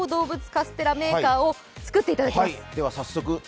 カステラメーカーを作っていただきます。